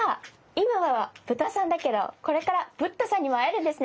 今はブタさんだけどこれからブッタさんにも会えるんですね。